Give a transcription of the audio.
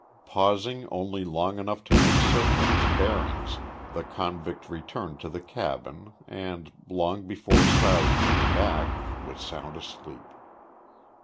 Pausing only long enough to make certain of his bearings, the convict returned to the cabin and, long before Stiles came back, was sound asleep.